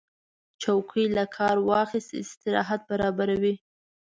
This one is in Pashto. چوکۍ له کار وروسته استراحت برابروي.